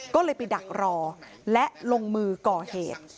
ก็เลยไปดักรอและลงมือก่อเหตุ